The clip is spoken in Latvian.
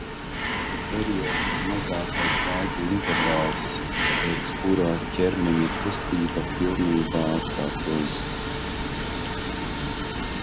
Periods ir mazākais laika intervāls, pēc kura ķermeņa kustība pilnībā atkārtojas.